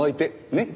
ねっ！